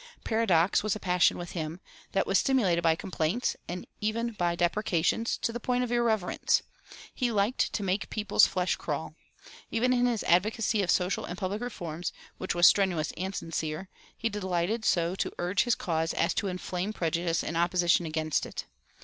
Paradox was a passion with him, that was stimulated by complaints, and even by deprecations, to the point of irreverence. He liked to "make people's flesh crawl." Even in his advocacy of social and public reforms, which was strenuous and sincere, he delighted so to urge his cause as to inflame prejudice and opposition against it.